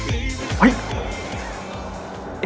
แมน